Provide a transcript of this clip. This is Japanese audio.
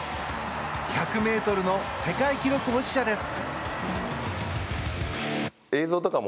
１００ｍの世界記録保持者です。